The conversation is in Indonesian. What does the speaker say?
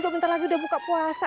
dua bentar lagi udah buka puasa